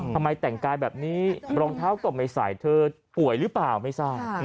ทำไมแต่งกายแบบนี้รองเท้าก็ไม่ใส่เธอป่วยหรือเปล่าไม่ทราบ